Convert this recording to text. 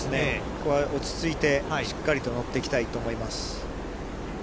ここは落ち着いて、しっかりと乗っていきたいと思います。